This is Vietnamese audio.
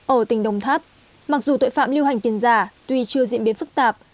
ở tỉnh đồng tháp mặc dù tội phạm lưu hành tiền giả tuy chưa diễn biến phức tạp